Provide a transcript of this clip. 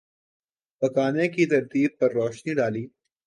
پکانے کی ترکیب پر روشنی ڈالی